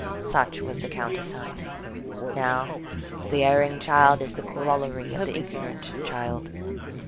Such was the countersign. Now, the erring child is the corollary of the ignorant child.